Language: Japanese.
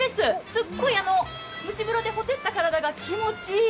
すごい蒸し風呂でほてった体が気持ちいい。